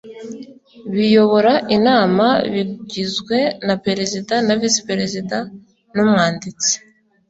biyobora inama bigizwe na perezida na visiperezida n umwanditsi